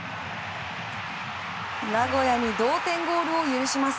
名古屋に同点ゴールを許します。